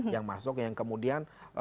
yang masuk yang kemudian